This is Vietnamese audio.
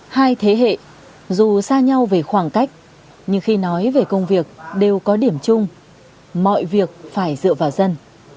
hai thế hệ dù xa nhau về khoảng cách nhưng khi nói về công việc đều có điểm chung mọi việc phải dựa vào dân